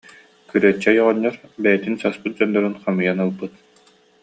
Күрүөччэй оҕонньор бэйэтин саспыт дьоннорун хомуйан ылбыт